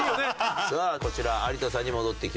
さあこちら有田さんに戻ってきました。